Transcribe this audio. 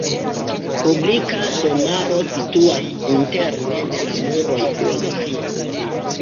Publika domaro situas interne de la muroj urbaj.